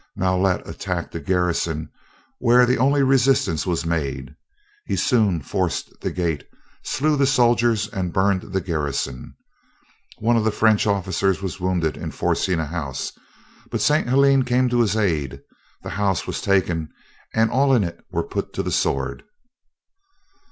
Maulet attacked a garrison, where the only resistance was made. He soon forced the gate, slew the soldiers and burned the garrison. One of the French officers was wounded in forcing a house; but St. Helene came to his aid, the house was taken, and all in it were put to the sword.